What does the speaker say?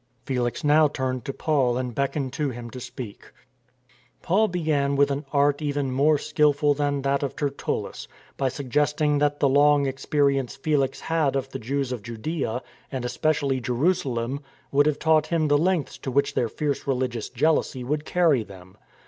Felix now turned to Paul and beckoned to him to speak: Paul began with an art even more skilful than that of Tertullus, by suggesting that the long experience Felix had of the Jews of Judaea, and especially Jerusalem, would have taught him the lengths to which their fierce religious jfealousy would carry them.